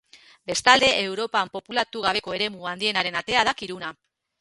Bestalde Europan populatu gabeko eremu handienaren atea da Kiruna.